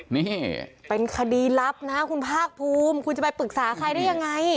นี่เป็นคดีลับนะคุณภาคภูมิคุณจะไปปรึกษาใครได้ยังไง